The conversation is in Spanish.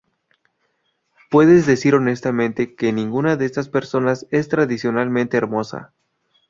Puedes decir honestamente que ninguna de estas personas es tradicionalmente hermosa".